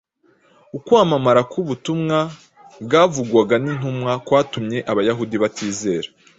Ukwamamara k’ubutumwa bwavugwaga n’intumwa kwatumye Abayahudi batizera